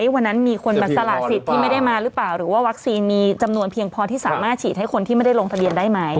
วันนั้นมีคนมาสละสิทธิ์ที่ไม่ได้มาหรือเปล่าหรือว่าวัคซีนมีจำนวนเพียงพอที่สามารถฉีดให้คนที่ไม่ได้ลงทะเบียนได้ไหม